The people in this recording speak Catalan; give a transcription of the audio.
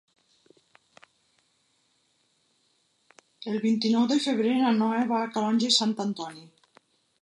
El vint-i-nou de febrer na Noa va a Calonge i Sant Antoni.